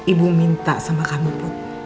ibu minta sama kamu bu